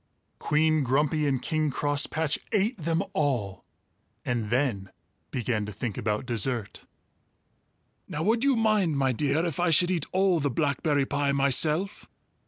Queen Grumpy and King Crosspatch ate them all and then began to think about dessert! "Now would you mind, my dear, if I should eat all the blackberry pie myself?"